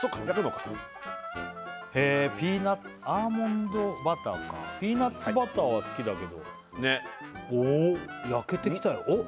焼くのかアーモンドバターかピーナッツバターは好きだけどねっおっ焼けてきたよ